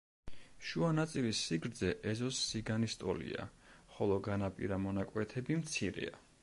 შუა ნაწილის სიგრძე ეზოს სიგანის ტოლია, ხოლო განაპირა მონაკვეთები მცირეა.